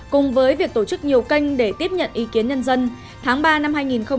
cùng với việc tổ chức nhiều kênh để tiếp nhận ý kiến nhân dân tháng ba năm hai nghìn hai mươi